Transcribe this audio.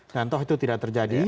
dan toh itu tidak terjadi